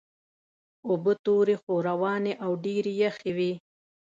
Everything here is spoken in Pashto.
اوبه تورې خو روانې او ډېرې یخې وې.